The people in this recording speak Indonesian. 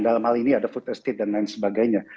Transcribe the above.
dalam hal ini ada putus state dan lain sebagainya